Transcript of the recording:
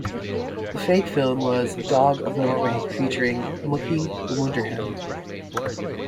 The fake film was "Dog of Norway" featuring "Muki the Wonder Hound".